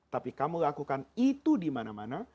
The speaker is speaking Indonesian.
tapi kamu lakukan itu dimana mana